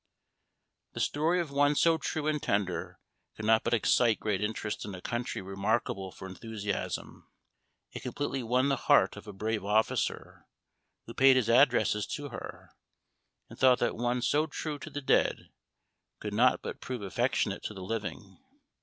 The story of one so true and tender could not but excite great interest in a country remarkable for enthusiasm. It completely won the heart of a brave officer, who paid his addresses to her, and thought that one so true to the dead, could not but prove affectionate to the living.